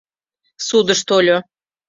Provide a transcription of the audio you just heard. — Судыш тольо...